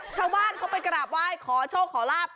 ชาวบ้านเขาไปกราบไหว้ขอโชคขอลาบ